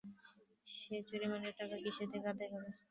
সে জরিমানার টাকা কিসের থেকে আদায় হবে?